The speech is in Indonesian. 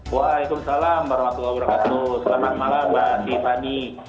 waalaikumsalam warahmatullahi wabarakatuh selamat malam mbak tiffany